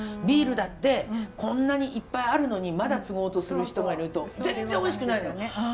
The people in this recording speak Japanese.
ビールだってこんなにいっぱいあるのにまだつごうとする人がいると全然おいしくないのよ。